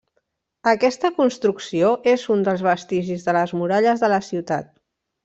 Aquesta construcció és un dels vestigis de les muralles de la ciutat.